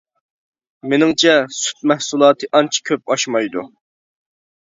مېنىڭچە سۈت مەھسۇلاتى ئانچە كۆپ ئاشمايدۇ.